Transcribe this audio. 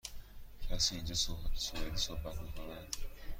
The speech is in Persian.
کسی اینجا سوئدی صحبت می کند؟